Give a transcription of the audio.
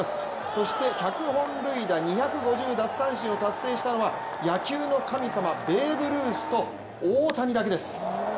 そして、１００本塁打２５０奪三振を達成したのは野球の神様ベーブ・ルースと大谷だけです。